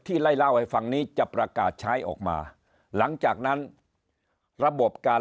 ไล่เล่าให้ฟังนี้จะประกาศใช้ออกมาหลังจากนั้นระบบการ